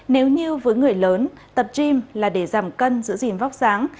nếu như với người lớn tập gym là để giảm cân giữ gìn vóc dáng